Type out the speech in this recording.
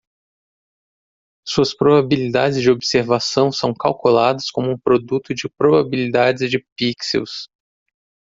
Suas probabilidades de observação são calculadas como um produto de probabilidades de pixels.